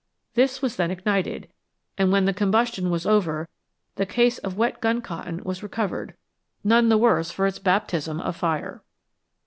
This was their ignited, and when the combustion was over the case of wet gun cotton was re covered, none the worse for its baptism of fire.